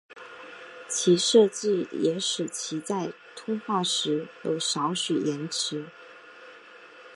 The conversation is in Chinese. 其设计也使其在通话时有少许延迟。